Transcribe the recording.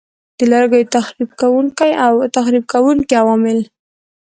د لرګیو تخریب کوونکي عوامل